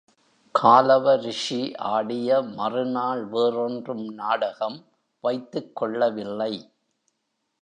காலவ ரிஷி ஆடிய மறுநாள் வேறொன்றும் நாடகம் வைத்துக்கொள்ளவில்லை.